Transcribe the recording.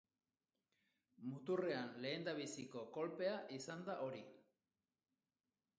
Muturrean lehendabiziko kolpea izan da hori.